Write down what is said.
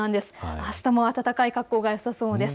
あしたも暖かい格好がよさそうです。